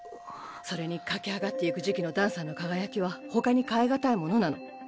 それに駆け上がってゆく時期のダンサーの輝きはほかに代え難いものなの。